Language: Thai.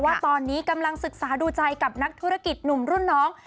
ว่าตอนนี้กำลังศึกษาดูใจกับนักธุรกิจหนุ่มรุ่นน้อง